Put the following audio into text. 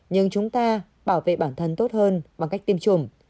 nhưng chúng ta bảo vệ bản thân tốt hơn bằng cách tiêm chủng